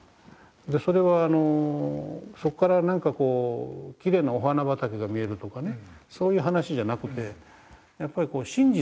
それはそこから何かこうきれいなお花畑が見えるとかそういう話じゃなくてやっぱり真実が見える。